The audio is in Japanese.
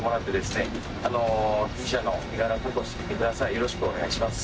よろしくお願いします。